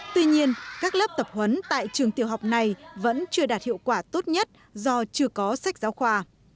tuy nhiên các lớp tập huấn tại trường tiểu học này vẫn chưa đạt hiệu quả tốt nhất do chưa có sách giáo khoa